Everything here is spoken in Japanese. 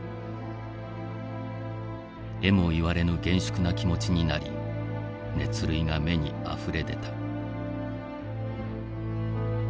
得も言われぬ厳粛な気持ちになり熱涙が眼に溢れ出た」。